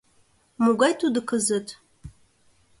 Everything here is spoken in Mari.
Могай тудо кызыт?